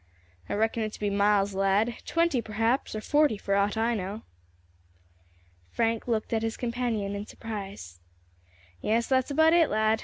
"I reckon it to be miles, lad twenty, perhaps, or forty for aught I know." Frank looked at his companion in surprise. "Yes, that is about it, lad.